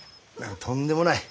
とんでもない。